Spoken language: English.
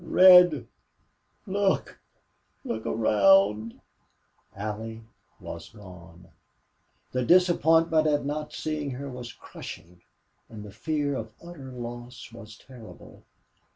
"Red! Look look around!" Allie was gone! The disappointment at not seeing her was crushing, and the fear of utter loss was terrible.